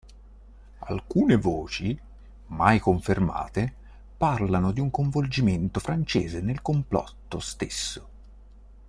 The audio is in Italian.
Alcune voci, mai confermate, parlano di un coinvolgimento francese nel complotto stesso.